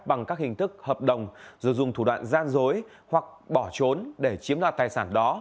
bằng các hình thức hợp đồng rồi dùng thủ đoạn gian dối hoặc bỏ trốn để chiếm đoạt tài sản đó